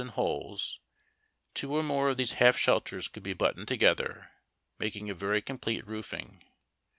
n lioles two or more of these lialf shelters could be buttoned together, making a very complete roofing.